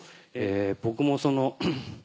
僕もその。